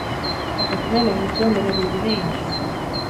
Argentinan egin zuen bere ibilbide ia osoa.